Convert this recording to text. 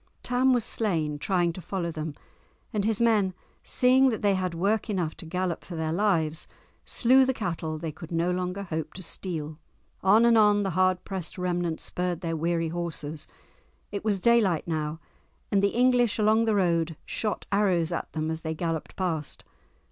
Tam was slain, trying to follow them, and his men, seeing that they had work enough to gallop for their lives, slew the cattle they could no longer hope to steal. On and on the hard pressed remnant spurred their weary horses. It was daylight now, and the English along the road shot arrows at them as they galloped past.